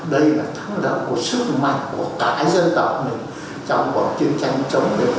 đây là thắng động của sức mạnh của cả dân tộc trong cuộc chiến tranh chống đối phương xâm lược